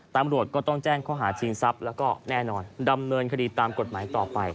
ตำรวจก็ต้องแจ้งข้อหาชิงทรัพย์แล้วก็แน่นอนดำเนินคดีตามกฎหมายต่อไป